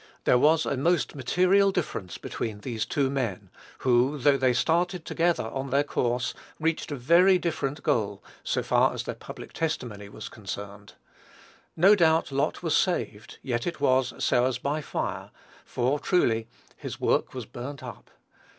There was a most material difference between those two men, who, though they started together on their course, reached a very different goal, so far as their public testimony was concerned. No doubt Lot was saved, yet it was "so as by fire," for, truly, "his work was burned up."